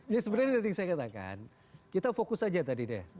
ya sebenarnya tadi saya katakan kita fokus saja tadi deh